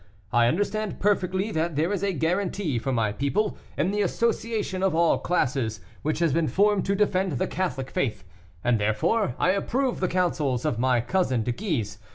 I understand perfectly that there is a guarantee for my people, in the association of all classes which has been formed to defend the Catholic faith, and therefore I approve of the counsels of my cousin De Guise.